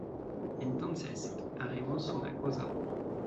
entonces, haremos una cosa.